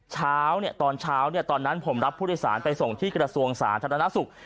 เช้าเนี้ยตอนเช้าเนี้ยตอนนั้นผมรับผู้โดยสารไปส่งที่กระทรวงศาลธนาศุกร์